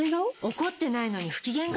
怒ってないのに不機嫌顔？